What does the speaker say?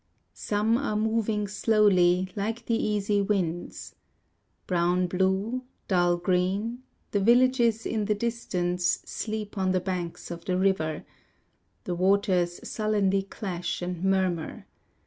Some are moving slowly Like the easy winds: Brown blue, dull green, the villages in the distance Sleep on the banks of the river: The waters sullenly clash and murmur.